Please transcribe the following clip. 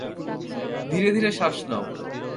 ধীরে ধীরে শ্বাস নাও।